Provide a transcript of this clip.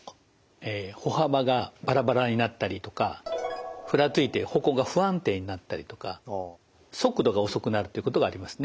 歩幅がバラバラになったりとかふらついて歩行が不安定になったりとか速度が遅くなるということがありますね。